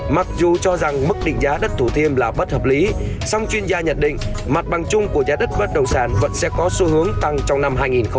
mặc dù cho rằng mức định giá đất thủ thiêm là bất hợp lý song chuyên gia nhận định mặt bằng chung của giá đất bất động sản vẫn sẽ có xu hướng tăng trong năm hai nghìn hai mươi